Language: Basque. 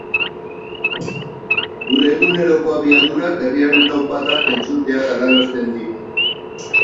Gure eguneroko abiadurak, herriaren taupadak entzutea galarazten digu.